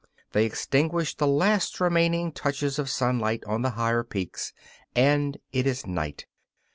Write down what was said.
They extinguish the last remaining touches of sunlight on the higher peaks, and it is night.